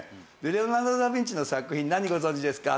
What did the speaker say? レオナルド・ダ・ヴィンチの作品何ご存じですか？